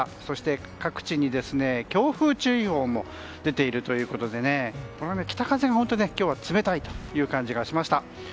そして各地に強風注意報も出ているということで北風が本当に冷たい感じがしました。